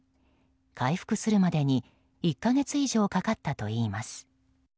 回復するまでに１か月以上かかったといいます。